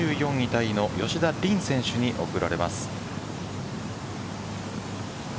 タイの吉田鈴選手に贈られます。